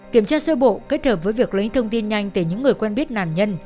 kiểm tra sơ bộ kết hợp với việc lấy thông tin nhanh từ những người quen biết nạn nhân